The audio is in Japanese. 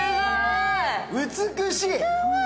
美しい。